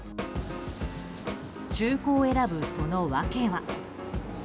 中古を選ぶその訳は。